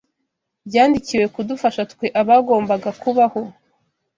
byandikiwe kudufasha twe abagombaga kubaho